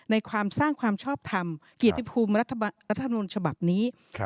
ในความสร้างความชอบธรรมเกียรติภูมิรัฐธรรมรุเนินฉบับนี้ครับ